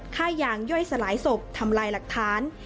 ฆ่ายางย่อยสลายศพทำลายหลักฐาน